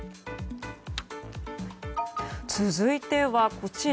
続いては、こちら。